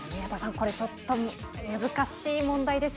これちょっと難しい問題ですよね。